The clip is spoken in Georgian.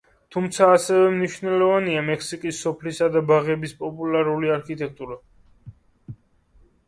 თუმცა, ასევე მნიშვნელოვანია მექსიკის სოფლისა და ბაღების პოპულარული არქიტექტურა.